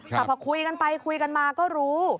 แต่พอคุยกันไปคุยกันมาก็รู้